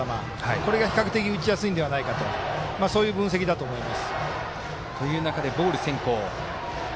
これが比較的打ちやすいんではないかという分析だと思います。